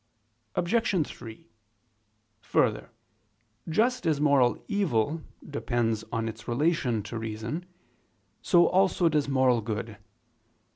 Obj. 3: Further, just as moral evil depends on its relation to reason, so also does moral good.